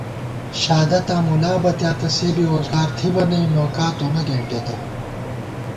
شادَتاں مُلا بَتیاتہ، سےبی ووزگار تھِبہ نئ نوکا تونہ گېنٹېتہ